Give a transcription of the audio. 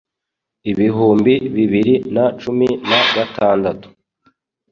ibihumbi bibiri na cumi na gatandatu